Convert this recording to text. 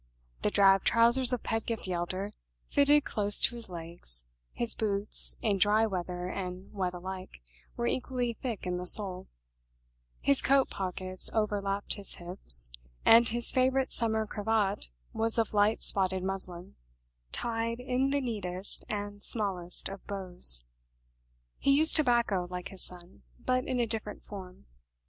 The drab trousers of Pedgift the elder fitted close to his legs; his boots, in dry weather and wet alike, were equally thick in the sole; his coat pockets overlapped his hips, and his favorite summer cravat was of light spotted muslin, tied in the neatest and smallest of bows. He used tobacco like his son, but in a different form.